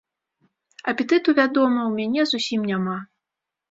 Апетыту, вядома, у мяне зусім няма.